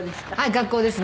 学校ですね。